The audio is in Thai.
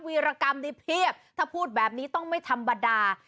ีรกรรมนี้เพียบถ้าพูดแบบนี้ต้องไม่ธรรมดา